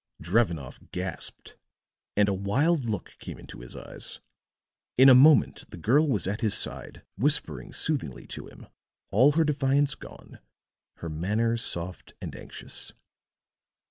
Drevenoff gasped, and a wild look came into his eyes; in a moment the girl was at his side, whispering soothingly to him, all her defiance gone, her manner soft and anxious.